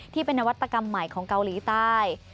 ที่เป็นนวัตกรรมใหม่ของเกาหลีใต้